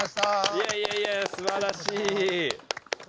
いやいやいやすばらしい。